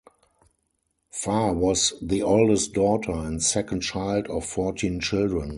Far was the oldest daughter and second child of fourteen children.